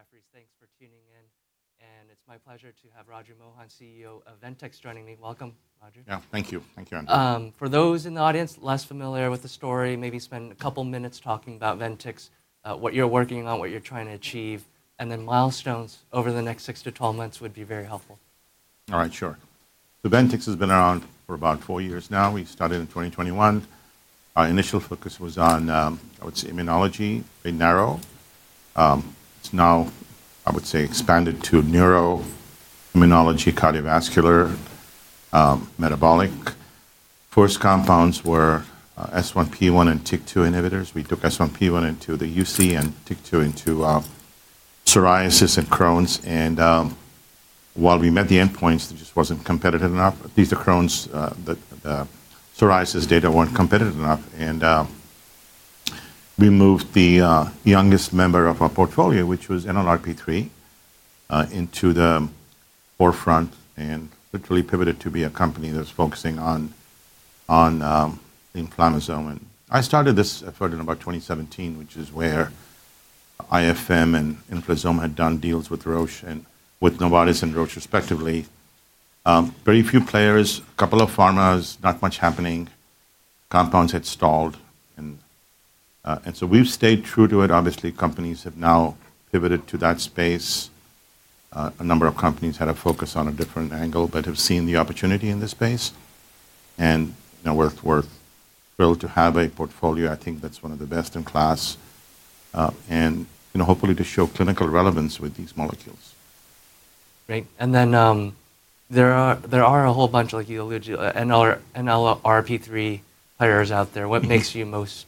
Jefferies, thanks for tuning in. It is my pleasure to have Raju Mohan, CEO of Ventyx, joining me. Welcome, Raju. Yeah, thank you. Thank you, Andrew. For those in the audience less familiar with the story, maybe spend a couple of minutes talking about Ventyx, what you're working on, what you're trying to achieve, and then milestones over the next 6 months-12 months would be very helpful. All right, sure. Ventyx has been around for about four years now. We started in 2021. Our initial focus was on, I would say, immunology, very narrow. It's now, I would say, expanded to neuro, immunology, cardiovascular, metabolic. First compounds were S1P1 and TYK2 inhibitors. We took S1P1 into the UC and TYK2 into psoriasis and Crohn's. While we met the endpoints, it just wasn't competitive enough. At least the Crohn's, the psoriasis data weren't competitive enough. We moved the youngest member of our portfolio, which was NLRP3, into the forefront and Lally pivoted to be a company that's focusing on inflammasome. I started this effort in about 2017, which is where IFM and Inflazome had done deals with Novartis and Roche, respectively. Very few players, a couple of pharmas, not much happening. Compounds had stalled. We have stayed true to it. Obviously, companies have now pivoted to that space. A number of companies had a focus on a different angle but have seen the opportunity in this space. We're thrilled to have a portfolio. I think that's one of the best in class. Hopefully to show clinical relevance with these molecules. Great. There are a whole bunch, like you alluded, NLRP3 players out there. What makes you most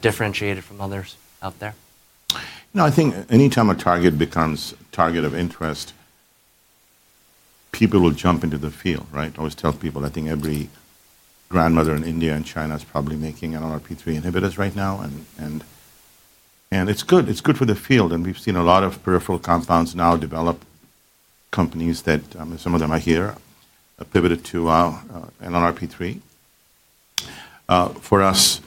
differentiated from others out there? I think any time a target becomes a target of interest, people will jump into the field, right? I always tell people, I think every grandmother in India and China is probably making NLRP3 inhibitors right now. It's good. It's good for the field. We've seen a lot of peripheral compounds now develop. Companies, some of them are here, have pivoted to NLRP3. For us,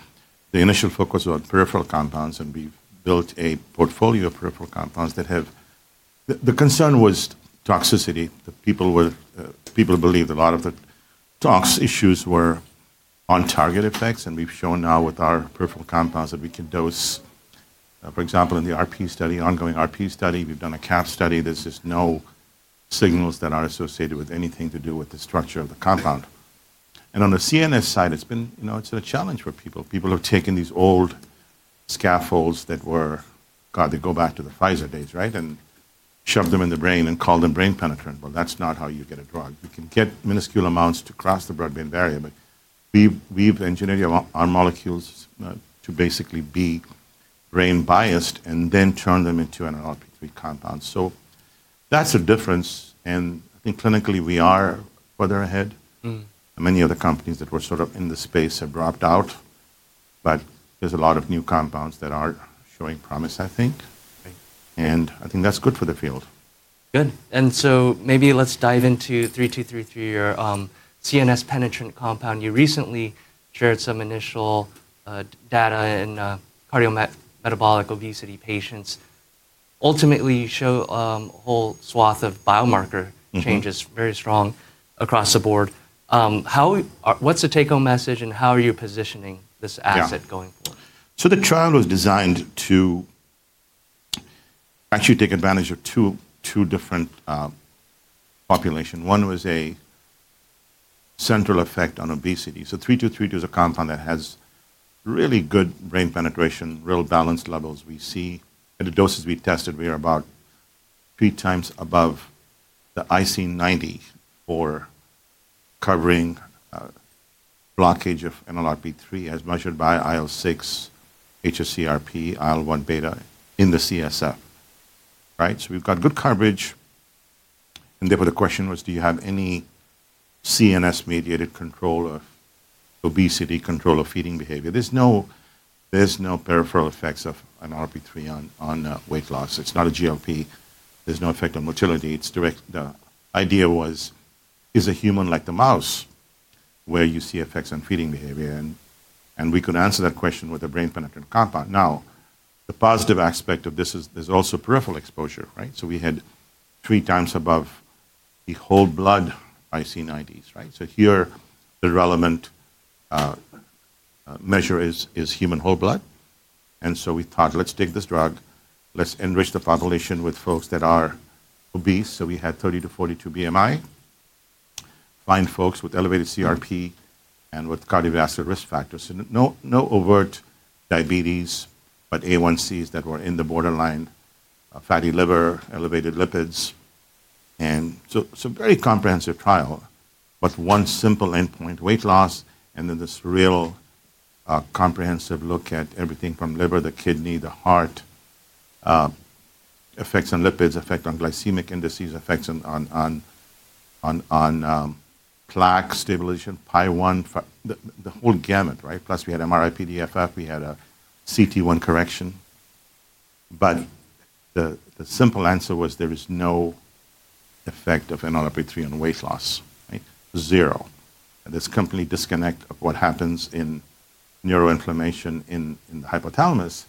the initial focus was on peripheral compounds. We've built a portfolio of peripheral compounds. The concern was toxicity. People believed a lot of the tox issues were on-target effects. We've shown now with our peripheral compounds that we can dose, for example, in the RP study, ongoing RP study. We've done a CAPS study. There's just no signals that are associated with anything to do with the structure of the compound. On the CNS side, it's been a challenge for people. People have taken these old scaffolds that were, God, they go back to the Pfizer days, right, and shoved them in the brain and called them brain penetrant. That is not how you get a drug. You can get minuscule amounts to cross the blood-brain barrier. We have engineered our molecules to basically be brain-biased and then turn them into NLRP3 compounds. That is a difference. I think clinically we are further ahead. Many other companies that were sort of in the space have dropped out. There are a lot of new compounds that are showing promise, I think. I think that is good for the field. Good. Maybe let's dive into 3232, your CNS-penetrant compound. You recently shared some initial data in cardiometabolic obesity patients. Ultimately, you show a whole swath of biomarker changes, very strong across the board. What's the take-home message and how are you positioning this asset going forward? The trial was designed to actually take advantage of two different populations. One was a central effect on obesity. 3232 is a compound that has really good brain penetration, real balanced levels. We see in the doses we tested, we are about three times above the IC90 for covering blockage of NLRP3 as measured by IL-6, hsCRP, IL-1β in the CSF, right? We have got good coverage. Therefore the question was, do you have any CNS-mediated control of obesity, control of feeding behavior? There is no peripheral effects of NLRP3 on weight loss. It is not a GLP. There is no effect on motility. The idea was, is a human like the mouse where you see effects on feeding behavior? We could answer that question with a brain penetrant compound. The positive aspect of this is there is also peripheral exposure, right? We had 3x above the whole blood IC90s, right? Here the relevant measure is human whole blood. We thought, let's take this drug. Let's enrich the population with folks that are obese. We had 30 BMI-42 BMI, fine folks with elevated CRP and with cardiovascular risk factors. No overt diabetes, but A1cs that were in the borderline, fatty liver, elevated lipids. Very comprehensive trial, but one simple endpoint, weight loss. Then this real comprehensive look at everything from liver, the kidney, the heart, effects on lipids, effect on glycemic indices, effects on plaque stabilization, PAI-1, the whole gamut, right? Plus we had MRI PDFF. We had a CT1 correction. The simple answer was there is no effect of NLRP3 on weight loss, right? Zero. There's complete disconnect of what happens in neuroinflammation in the hypothalamus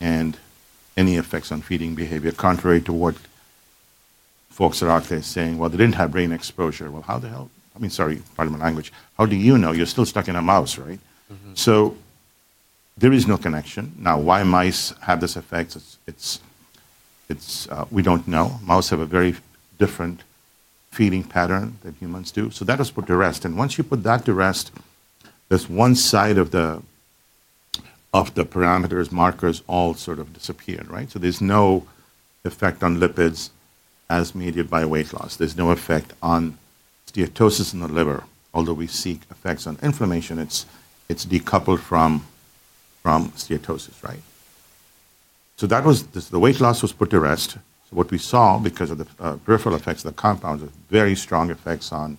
and any effects on feeding behavior, contrary to what folks are out there saying, well, they didn't have brain exposure. How the hell? I mean, sorry, pardon my language. How do you know? You're still stuck in a mouse, right? There is no connection. Now, why mice have this effect? We don't know. Mouse have a very different feeding pattern than humans do. That was put to rest. Once you put that to rest, there's one side of the parameters, markers all sort of disappeared, right? There's no effect on lipids as mediated by weight loss. There's no effect on steatosis in the liver. Although we see effects on inflammation, it's decoupled from steatosis, right? The weight loss was put to rest. What we saw because of the peripheral effects of the compounds was very strong effects on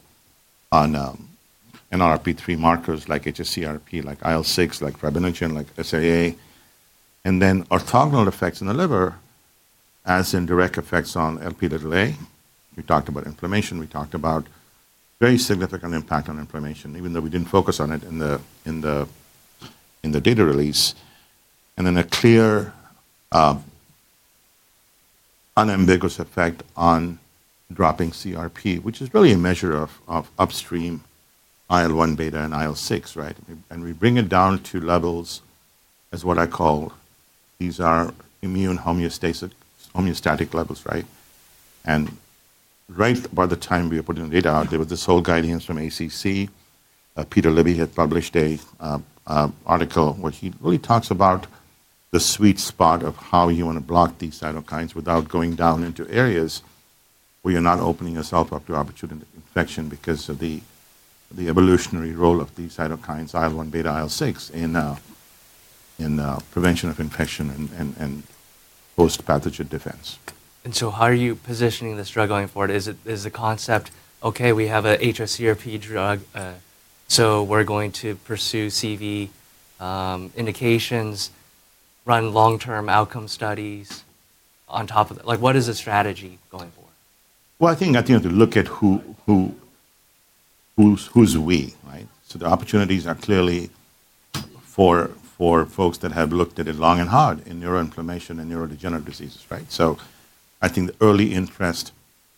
NLRP3 markers like hsCRP, like IL-6, like fibrinogen, like SAA. There were orthogonal effects in the liver as in direct effects on Lp(a) little a. We talked about inflammation. We talked about very significant impact on inflammation, even though we did not focus on it in the data release. There was a clear unambiguous effect on dropping CRP, which is really a measure of upstream IL-1β and IL-6, right? We bring it down to levels as what I call these are immune homeostatic levels, right? Right by the time we were putting the data out, there was this whole guidance from ACC. Peter Libby had published an article where he really talks about the sweet spot of how you want to block these cytokines without going down into areas where you're not opening yourself up to opportunity infection because of the evolutionary role of these cytokines, IL-1β, IL-6, in prevention of infection and post-pathogen defense. How are you positioning this drug going forward? Is the concept, okay, we have an hsCRP drug, so we're going to pursue CV indications, run long-term outcome studies on top of that? What is the strategy going forward? I think you have to look at who's we, right? The opportunities are clearly for folks that have looked at it long and hard in neuroinflammation and neurodegenerative diseases, right? I think the early interest,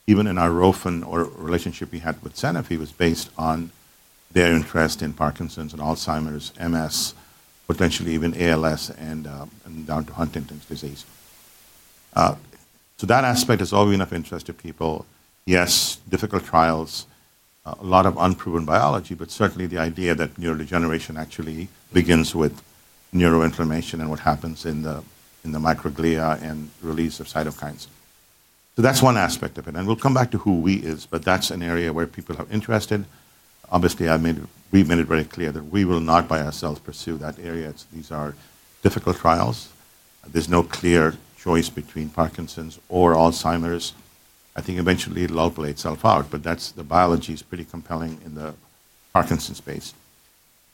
even in our ROFN or relationship we had with Sanofi, was based on their interest in Parkinson's and Alzheimer's, MS, potentially even ALS, and down to Huntington's disease. That aspect is always of interest to people. Yes, difficult trials, a lot of unproven biology, but certainly the idea that neurodegeneration actually begins with neuroinflammation and what happens in the microglia and release of cytokines. That is one aspect of it. We'll come back to who we is, but that's an area where people are interested. Obviously, we've made it very clear that we will not by ourselves pursue that area. These are difficult trials. There's no clear choice between Parkinson's or Alzheimer's. I think eventually it'll all play itself out, but the biology is pretty compelling in the Parkinson's space.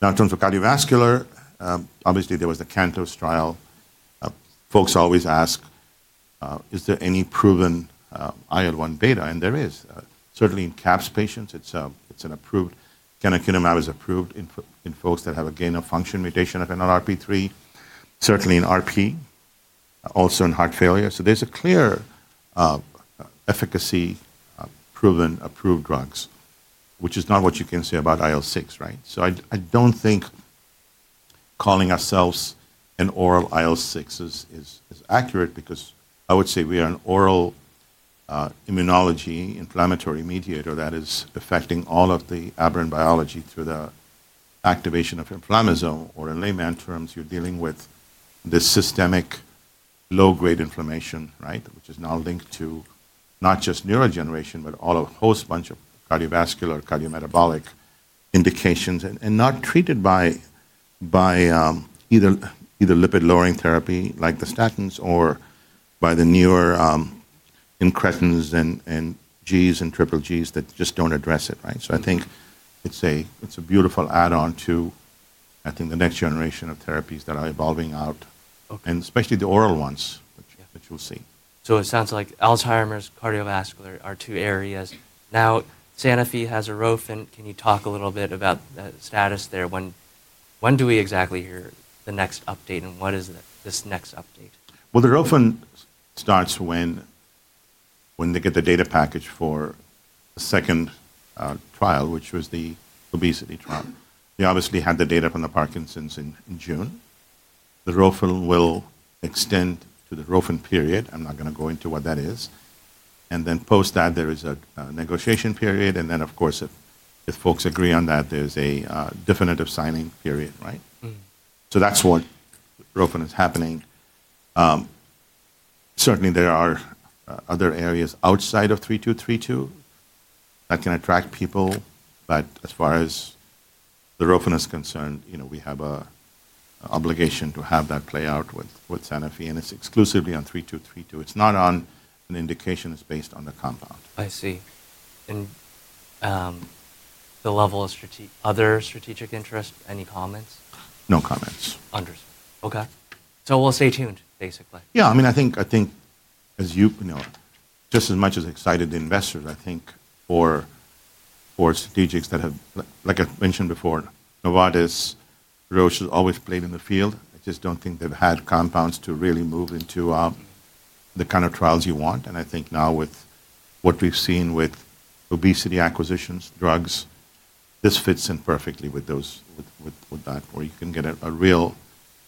Now, in terms of cardiovascular, obviously there was the CANTOS trial. Folks always ask, is there any proven IL-1β? And there is. Certainly in CAPS patients, canakinumab is approved in folks that have a gain of function mutation of NLRP3. Certainly in RP, also in heart failure. There is a clear efficacy proven approved drugs, which is not what you can say about IL-6, right? I don't think calling ourselves an oral IL-6 is accurate because I would say we are an oral immunology inflammatory mediator that is affecting all of the aberrant biology through the activation of inflammasome. In layman's terms, you're dealing with this systemic low-grade inflammation, right, which is now linked to not just neurodegeneration, but a whole bunch of cardiovascular, cardiometabolic indications and not treated by either lipid-lowering therapy like the statins or by the newer incretins and Gs and triple Gs that just don't address it, right? I think it's a beautiful add-on to, I think, the next generation of therapies that are evolving out, and especially the oral ones that you'll see. It sounds like Alzheimer's, cardiovascular are two areas. Now, Sanofi has a ROFN. Can you talk a little bit about the status there? When do we exactly hear the next update and what is this next update? The ROFN starts when they get the data package for the second trial, which was the obesity trial. We obviously had the data from the Parkinson's in June. The ROFN will extend to the ROFN period. I'm not going to go into what that is. Then post that, there is a negotiation period. Of course, if folks agree on that, there's a definitive signing period, right? That's what ROFN is happening. Certainly, there are other areas outside of 3232 that can attract people. As far as the ROFN is concerned, we have an obligation to have that play out with Sanofi. It's exclusively on 3232. It's not on an indication that's based on the compound. I see. The level of other strategic interest, any comments? No comments. Understood. Okay. We'll stay tuned, basically. Yeah. I mean, I think as you know, just as much as excited investors, I think for strategics that have, like I mentioned before, Novartis, Roche has always played in the field. I just don't think they've had compounds to really move into the kind of trials you want. I think now with what we've seen with obesity acquisitions, drugs, this fits in perfectly with that, where you can get a real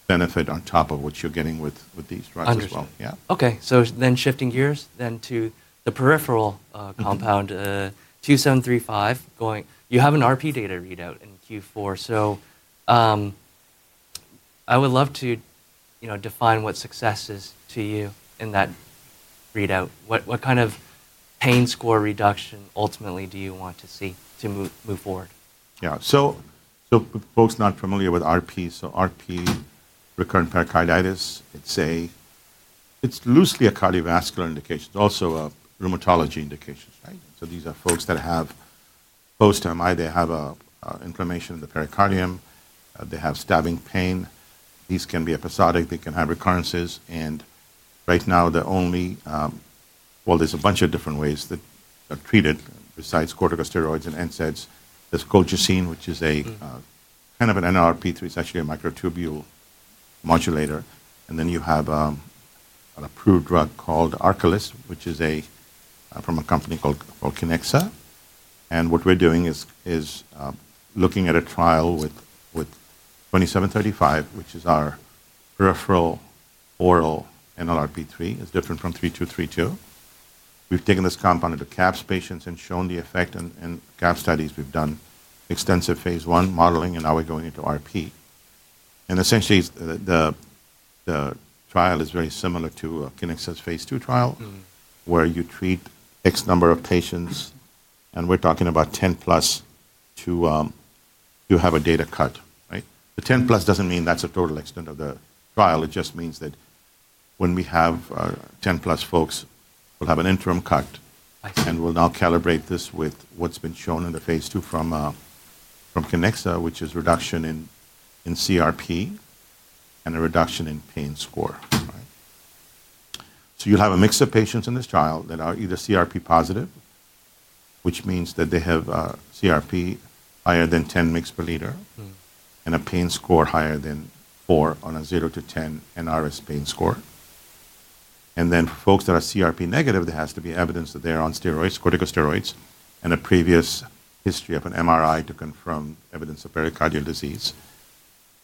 benefit on top of what you're getting with these drugs as well. Yeah. Understood. Okay. Shifting gears then to the peripheral compound, 2735, you have an RP data readout in Q4. I would love to define what success is to you in that readout. What kind of pain score reduction ultimately do you want to see to move forward? Yeah. So folks not familiar with RP, so RP, recurrent pericarditis, it's loosely a cardiovascular indication, also a rheumatology indication, right? These are folks that have post-MI, they have inflammation in the pericardium, they have stabbing pain. These can be episodic. They can have recurrences. Right now, the only, well, there's a bunch of different ways that are treated besides corticosteroids and NSAIDs. There's colchicine, which is a kind of an NLRP3. It's actually a microtubule modulator. Then you have an approved drug called ARCALYST, which is from a company called Kiniksa. What we're doing is looking at a trial with 2735, which is our peripheral oral NLRP3. It's different from 3232. We've taken this compound into CAPS patients and shown the effect. In CAPS studies, we've done extensive phase I modeling, and now we're going into RP. Essentially, the trial is very similar to Kiniksa's phase II trial, where you treat X number of patients, and we're talking about 10+ to have a data cut, right? The 10+ doesn't mean that's the total extent of the trial. It just means that when we have 10+ folks, we'll have an interim cut. We'll now calibrate this with what's been shown in the phase II from Kiniksa, which is reduction in CRP and a reduction in pain score, right? You'll have a mix of patients in this trial that are either CRP positive, which means that they have CRP higher than 10 mg per L, and a pain score higher than four on a 0-10 NRS pain score. For folks that are CRP negative, there has to be evidence that they're on steroids, corticosteroids, and a previous history of an MRI to confirm evidence of pericardial disease.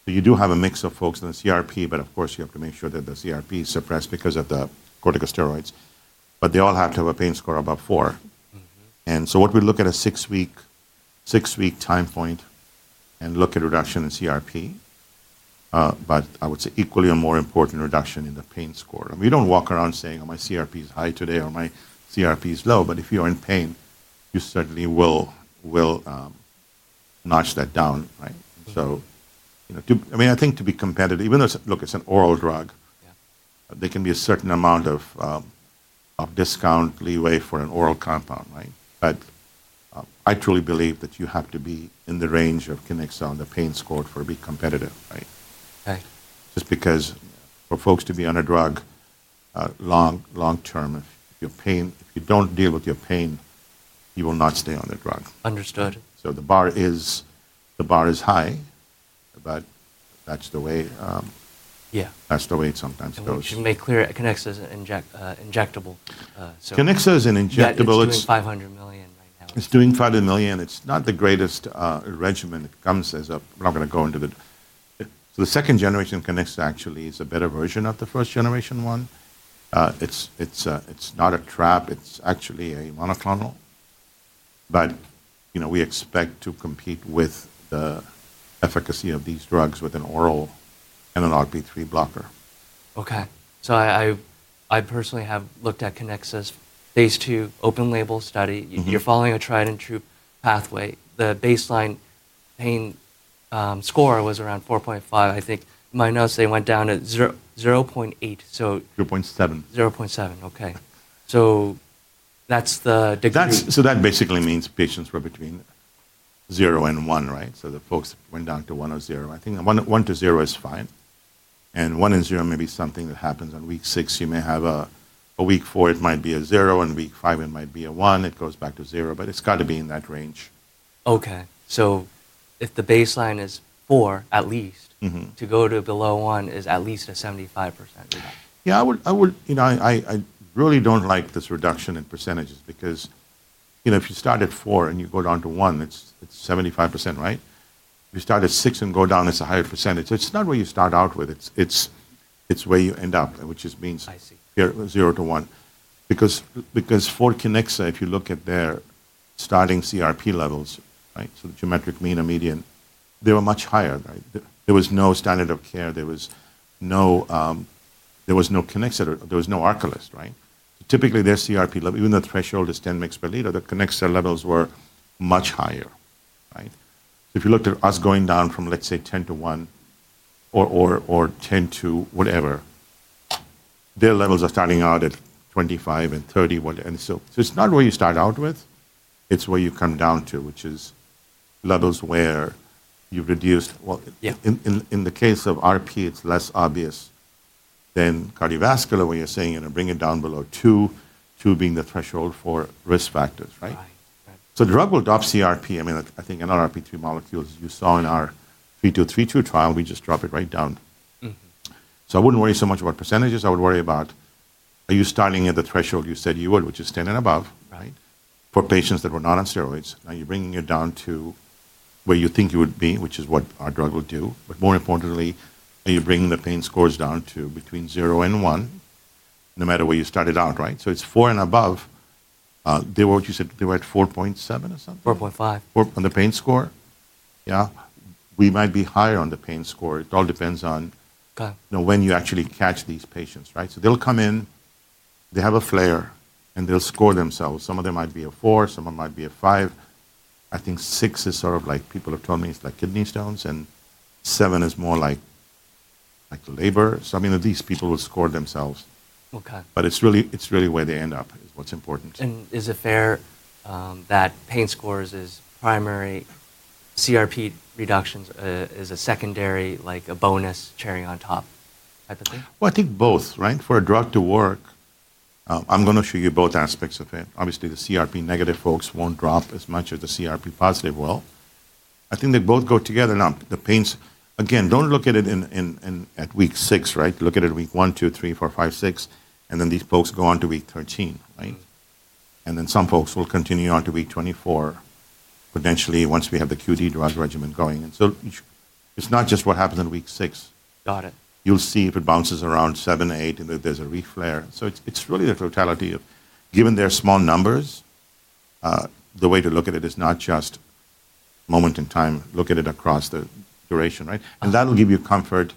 You do have a mix of folks in the CRP, but of course, you have to make sure that the CRP is suppressed because of the corticosteroids. They all have to have a pain score above four. What we look at is a six-week time point and look at reduction in CRP, but I would say equally or more important, reduction in the pain score. We do not walk around saying, "Oh, my CRP is high today or my CRP is low." If you're in pain, you certainly will notch that down, right? I mean, I think to be competitive, even though, look, it's an oral drug, there can be a certain amount of discount leeway for an oral compound, right? But I truly believe that you have to be in the range of Kiniksa on the pain score for being competitive, right? Just because for folks to be on a drug long-term, if you don't deal with your pain, you will not stay on the drug. Understood. The bar is high, but that's the way it sometimes goes. To make clear, Kiniksa is an injectable. Kiniksa is an injectable. It's doing $500 million right now. It's doing $500 million. It's not the greatest regimen it comes as of. We're not going to go into it. The second generation of Kiniksa actually is a better version of the first generation one. It's not a trap. It's actually a monoclonal. We expect to compete with the efficacy of these drugs with an oral NLRP3 blocker. Okay. I personally have looked at Kiniksa's phase II open label study. You're following a tried and true pathway. The baseline pain score was around 4.5. I think in my notes, they went down to 0.8, so. 0.7. Okay. So that's the. That basically means patients were between zero and one, right? The folks went down to one or zero. I think 1-0 is fine. One and zero may be something that happens on week six. You may have a week four, it might be a zero, and week five, it might be a one. It goes back to zero, but it has to be in that range. Okay. If the baseline is four at least, to go to below one is at least a 75% reduction. Yeah. I really don't like this reduction in percentages because if you start at four and you go down to one, it's 75%, right? If you start at six and go down, it's a higher percentage. It's not where you start out with. It's where you end up, which means 0-1. Because for Kiniksa, if you look at their starting CRP levels, right, so the geometric mean and median, they were much higher, right? There was no standard of care. There was no Kiniksa. There was no ARCALYST, right? Typically, their CRP level, even though the threshold is 10 mg per L, the Kiniksa levels were much higher, right? If you looked at us going down from, let's say, 10-1 or 10 to whatever, their levels are starting out at 25 and 30. It's not where you start out with. It's where you come down to, which is levels where you've reduced. In the case of RP, it's less obvious than cardiovascular where you're saying, you know, bring it down below two, two being the threshold for risk factors, right? The drug will drop CRP. I mean, I think NLRP3 molecules, as you saw in our 3232 trial, we just dropped it right down. I wouldn't worry so much about percentages. I would worry about, are you starting at the threshold you said you would, which is 10 and above, right, for patients that were not on steroids? Now you're bringing it down to where you think you would be, which is what our drug will do. More importantly, are you bringing the pain scores down to between zero and one, no matter where you started out, right? It's four and above. They were, what you said, they were at 4.7 or something. 4.5. On the pain score, yeah. We might be higher on the pain score. It all depends on when you actually catch these patients, right? They will come in, they have a flare, and they will score themselves. Some of them might be a four. Some of them might be a five. I think six is sort of like people have told me it is like kidney stones. And seven is more like labor. I mean, these people will score themselves. It is really where they end up that is important. Is it fair that pain scores is primary, CRP reductions is a secondary, like a bonus cherry on top type of thing? I think both, right? For a drug to work, I'm going to show you both aspects of it. Obviously, the CRP negative folks won't drop as much as the CRP positive will. I think they both go together. Now, the pains, again, don't look at it at week six, right? Look at it at week one, two, three, four, five, six. These folks go on to week 13, right? Some folks will continue on to week 24, potentially once we have the QD drug regimen going. It's not just what happens in week six. Got it. You'll see if it bounces around seven, eight, and there's a reflare. It's really the totality of, given their small numbers, the way to look at it is not just moment in time, look at it across the duration, right? That will give you comfort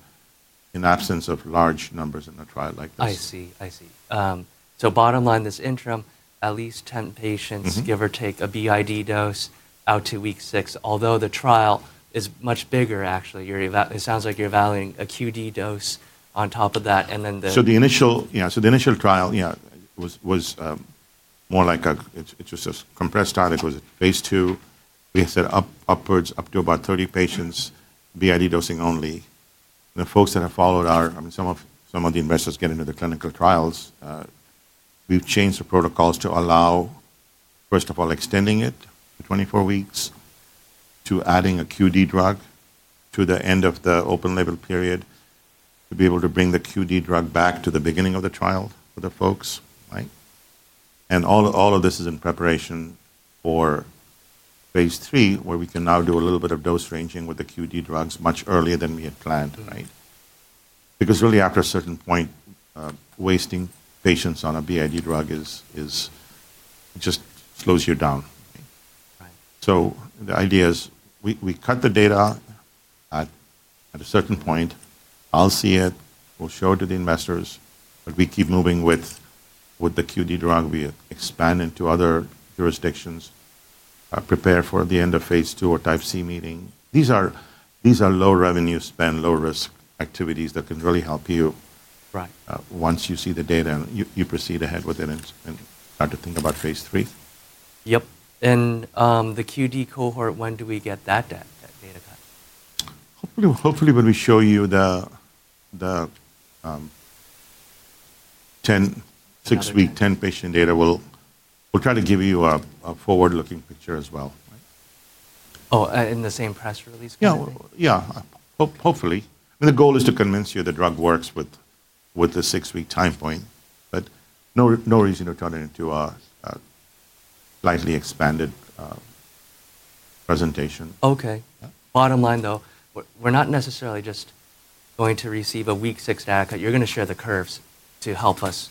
in the absence of large numbers in a trial like this. I see. I see. Bottom line, this interim, at least 10 patients, give or take a BID dose out to week six. Although the trial is much bigger, actually, it sounds like you're valuing a QD dose on top of that. And then the. The initial, yeah, the initial trial, yeah, was more like a, it was a compressed trial. It was phase II. We had set up upwards up to about 30 patients, BID dosing only. The folks that have followed our, I mean, some of the investors get into the clinical trials. We've changed the protocols to allow, first of all, extending it to 24 weeks, to adding a QD drug to the end of the open label period, to be able to bring the QD drug back to the beginning of the trial for the folks, right? All of this is in preparation for phase III, where we can now do a little bit of dose ranging with the QD drugs much earlier than we had planned, right? Because really, after a certain point, wasting patients on a BID drug just slows you down. The idea is we cut the data at a certain point. I'll see it. We'll show it to the investors. We keep moving with the QD drug. We expand into other jurisdictions, prepare for the end of phase II or type C meeting. These are low revenue spend, low risk activities that can really help you. Once you see the data, you proceed ahead with it and start to think about phase III. Yep. The QD cohort, when do we get that data? Hopefully, when we show you the 10 week, 10 patient data, we'll try to give you a forward-looking picture as well. Oh, in the same press release? Yeah. Yeah. Hopefully. I mean, the goal is to convince you the drug works with the six-week time point. No reason to turn it into a slightly expanded presentation. Okay. Bottom line, though, we're not necessarily just going to receive a week six data. You're going to share the curves to help us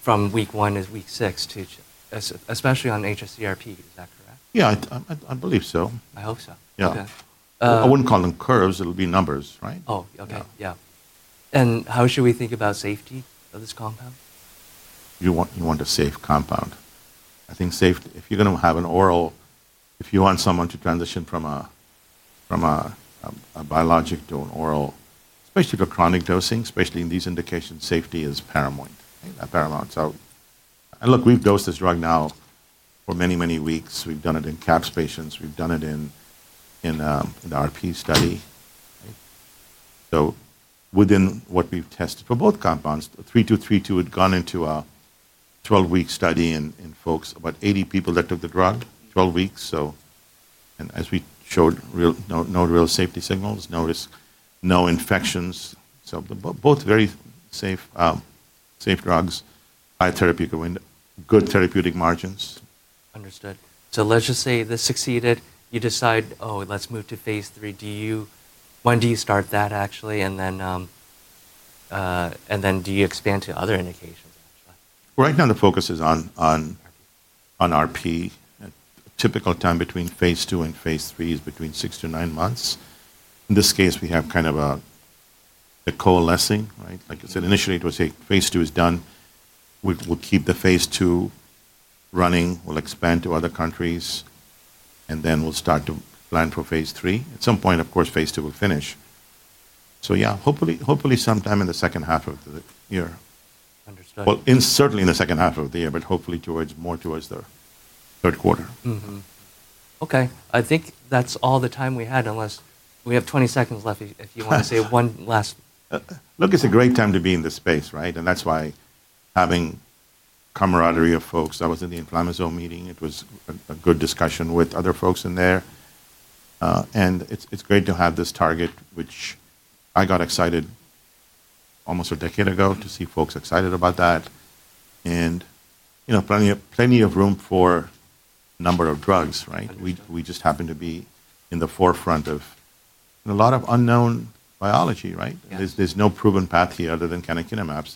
from week one to week six, especially on hsCRP. Is that correct? Yeah. I believe so. I hope so. Yeah. I wouldn't call them curves. It'll be numbers, right? Oh, okay. Yeah. How should we think about safety of this compound? You want a safe compound. I think safety, if you're going to have an oral, if you want someone to transition from a biologic to an oral, especially for chronic dosing, especially in these indications, safety is paramount. Look, we've dosed this drug now for many, many weeks. We've done it in CAPS patients. We've done it in the RP study. Within what we've tested for both compounds, 3232 had gone into a 12-week study in folks, about 80 people that took the drug, 12 weeks. As we showed, no real safety signals, no risk, no infections. Both very safe drugs, biotherapeutic window, good therapeutic margins. Understood. Let's just say this succeeded. You decide, "Oh, let's move to phase III." When do you start that actually? And then do you expand to other indications? Right now, the focus is on RP. Typical time between phase II and phase III is between 6 months-9 months. In this case, we have kind of a coalescing, right? Like I said, initially, it was a phase II is done. We'll keep the phase II running. We'll expand to other countries. Then we'll start to plan for phase III. At some point, of course, phase II will finish. So yeah, hopefully sometime in the second half of the year. Understood. Certainly in the second half of the year, but hopefully more towards the third quarter. Okay. I think that's all the time we had unless we have 20 seconds left if you want to say one last. Look, it's a great time to be in this space, right? That's why having camaraderie of folks. I was in the inflammasome meeting. It was a good discussion with other folks in there. It's great to have this target, which I got excited almost a decade ago to see folks excited about that. Plenty of room for a number of drugs, right? We just happen to be in the forefront of a lot of unknown biology, right? There's no proven path here other than canakinumab.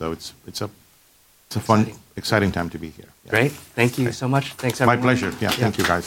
It's a fun, exciting time to be here. Great. Thank you so much. Thanks everyone. My pleasure. Yeah. Thank you guys.